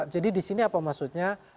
jadi di sini apa maksudnya